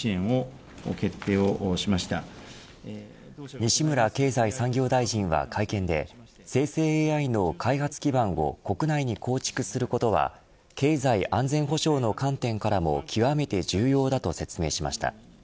西村経済産業大臣は会見で生成ＡＩの開発基盤を国内に構築することは経済安全保障の観点からも極めて重要だと説明しました。